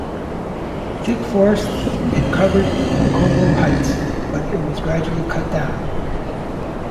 Thick forest and covered the Pulkovo heights, but it was gradually cut down.